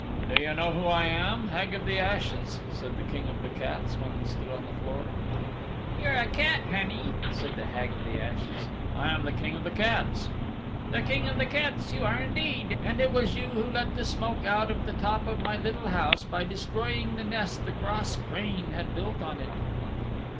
"Do you know who I am, Hag of the Ashes?" said the King of the Cats when he stood on the floor. "You are a cat, honey," said the Hag of the Ashes. "I am the King of the Cats." "The King of the Cats you are indeed. And it was you who let the smoke out of the top of my little house by destroying the nest the cross crane had built on it."